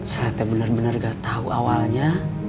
saya bener bener gak tau awalnya